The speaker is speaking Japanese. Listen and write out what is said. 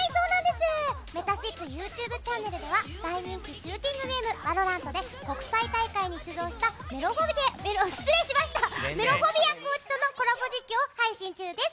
めたしっぷＹｏｕＴｕｂｅチャンネルでは大人気シューティングゲーム「ＶＡＬＯＲＡＮＴ」で国際大会に出場したＭｅｌｏｆｏｖｉａコーチとのゲーム実況配信中です！